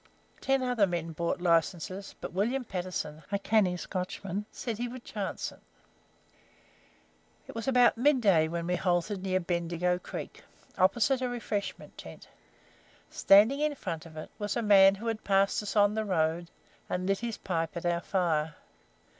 Ten other men bought licenses, but William Patterson, a canny Scotchman, said he would chance it. It was about midday when we halted near Bendigo Creek, opposite a refreshment tent. Standing in front of it was a man who had passed us on the road, and lit his pipe at our fire.